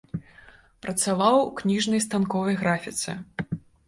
Працаваў у кніжнай станковай графіцы.